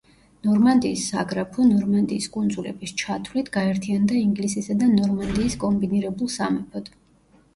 ნორმანდიის საგრაფო, ნორმანდიის კუნძულების ჩათვლით, გაერთიანდა ინგლისის და ნორმანდიის კომბინირებულ სამეფოდ.